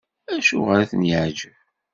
Acuɣer i ten-yeɛjeb?